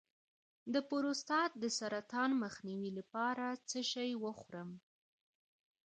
د پروستات د سرطان مخنیوي لپاره څه شی وخورم؟